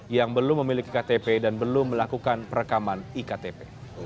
yang belum memiliki ktp dan belum melakukan perekaman iktp